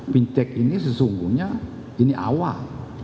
fintech ini sesungguhnya ini awal